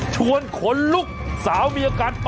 สวัสดีครับสวัสดีครับ